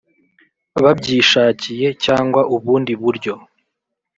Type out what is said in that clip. babyishakiye cyangwa ubundi buryo